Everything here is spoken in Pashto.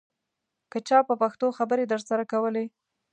که چا په پښتو خبرې درسره کولې.